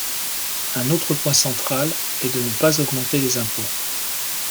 Un autre point central est de ne pas augmenter les impôts.